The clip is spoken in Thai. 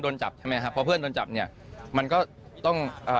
โดนจับใช่ไหมครับพอเพื่อนโดนจับเนี่ยมันก็ต้องเอ่อ